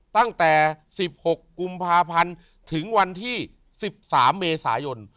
ตั้งแต่๑๖กุมภาพันธ์ถึงวันที่๑๓เมษายน